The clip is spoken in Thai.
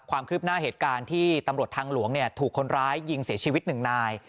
ความคืบหน้าเหตุการณ์ที่ตำรวจทางหลวงถูกคนร้ายยิงเสียชีวิตหนึ่งนาย